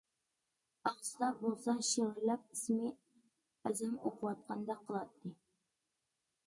ئاغزىدا بولسا شىۋىرلاپ ئىسمى ئەزەم ئوقۇۋاتقاندەك قىلاتتى.